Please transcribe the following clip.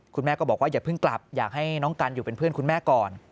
คุณแม่ก็บอกว่าอย่าเพิ่งกลับอยากให้น้องกันอยู่เป็นเพื่อนคุณแม่ก่อน